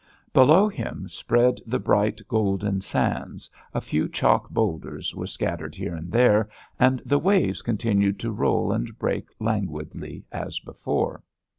Below him spread the bright golden sands, a few chalk boulders were scattered here and there, and the waves continued to roll and break languidly as before.